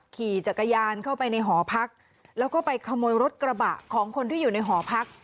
ขี่จักรยานเข้าไปในหอพักแล้วก็ไปขโมยรถกระบะของคนที่อยู่ในหอพัก